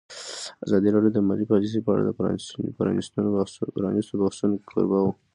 ازادي راډیو د مالي پالیسي په اړه د پرانیستو بحثونو کوربه وه.